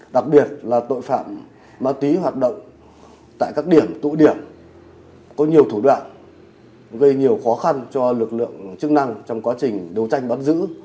đặc biệt là tội phạm ma túy hoạt động tại các điểm tụ điểm có nhiều thủ đoạn gây nhiều khó khăn cho lực lượng chức năng trong quá trình đấu tranh bắt giữ